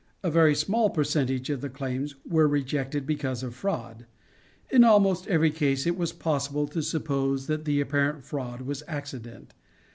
A very small percentage of the claims were rejected because of fraud. In almost every case it was possible to suppose that the apparent fraud was accident.